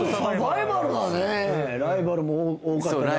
ライバルも多かっただろうし。